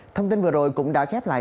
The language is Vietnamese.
thông tin vừa rồi cũng đã kép lại